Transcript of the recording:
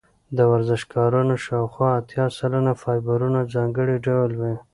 د ورزشکارانو شاوخوا اتیا سلنه فایبرونه ځانګړي ډول وي.